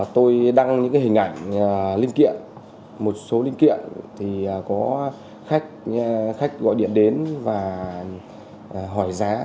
tôi đăng những hình ảnh linh kiện một số linh kiện thì có khách gọi điện đến và hỏi giá